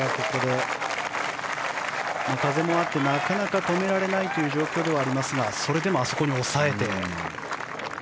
風もあってなかなか止められない状況ではありますがそれでも、あそこに抑えて。